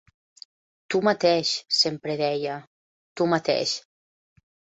Tu mateix, sempre deia, tu, mateix.